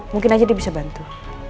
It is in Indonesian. mungkin aja dia bisa bantu